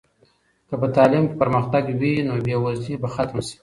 که په تعلیم کې پرمختګ وي نو بې وزلي به ختمه سي.